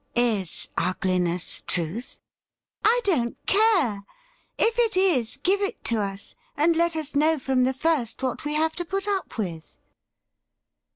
' Is ugliness truth .'"''' I don't care. If it is, give it to us, and let us know from the first what we have to put up with.'